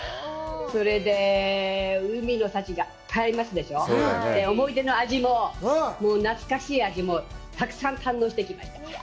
それで、海の幸がいっぱいありますでしょう、思い出の味も、懐かしい味もたくさん堪能してきました。